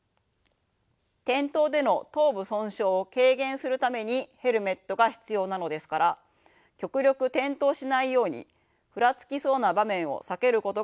転倒での頭部損傷を軽減するためにヘルメットが必要なのですから極力転倒しないようにふらつきそうな場面を避けることが重要です。